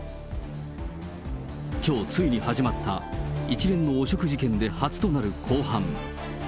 きょうついに始まった一連の汚職事件で初となる公判。